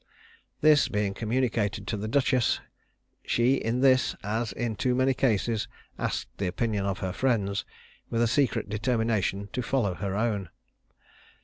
This being communicated to the duchess, she in this, as in too many cases, asked the opinion of her friends, with a secret determination to follow her own.